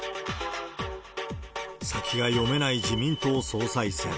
先が読めない自民党総裁選。